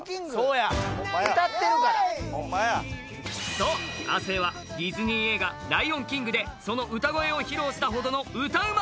そう、亜生はディズニー映画「ライオンキング」でその歌声を披露したほどの歌うま